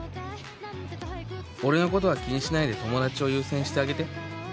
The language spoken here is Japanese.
「俺のことは気にしないで友達を優先してあげて。